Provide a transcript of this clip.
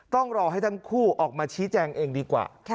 ต้องรอให้ทั้งคู่ออกมาชี้แจงเองดีกว่า